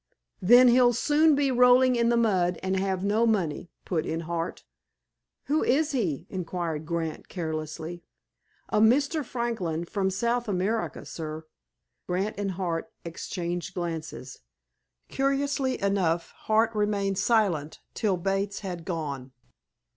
"Then he'll soon be rolling in the mud, and have no money," put in Hart. "Who is he?" inquired Grant carelessly. "A Mr. Franklin, from South America, sir." Grant and Hart exchanged glances. Curiously enough, Hart remained silent till Bates had gone.